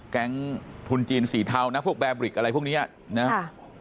แก๊งทุนจีนสีเทานะพวกแบริกอะไรพวกเนี้ยนะครับ